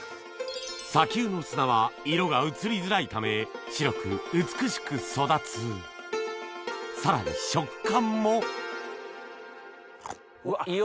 砂丘の砂は色が移りづらいため白く美しく育つさらに食感もいい音！